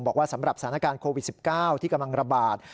บอกว่าสำหรับสถานการณ์โควิด๑๙ที่กำลังระบาด